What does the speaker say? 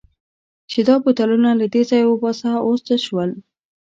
چې دا بوتلونه له دې ځایه وباسه، اوس څه شول؟